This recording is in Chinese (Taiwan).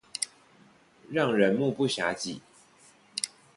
讓人目不暇給